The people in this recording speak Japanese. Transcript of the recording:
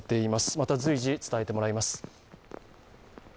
また随時伝えてもらいます。